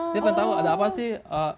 dia pengen tahu ada apa sih